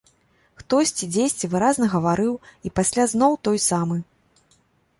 Хтосьці дзесьці выразна гаварыў, і пасля зноў той самы!